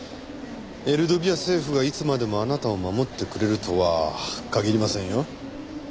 エルドビア政府がいつまでもあなたを守ってくれるとは限りませんよ。